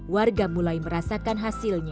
warga mulai merasakan hasilnya